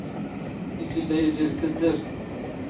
ⵉⵙ ⵉⵍⵍⴰ ⵢⵉⴷⵉⵔ ⴳ ⵜⴰⴷⴰⵔⵜ?